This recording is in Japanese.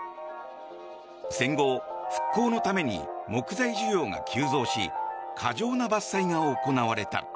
戦後、復興のために木材需要が急増し過剰な伐採が行われた。